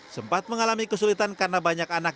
sempat mengalami kesulitan karena banyak anak